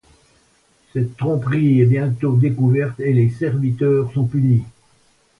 Cette tromperie est bientôt découverte et les serviteurs sont punis.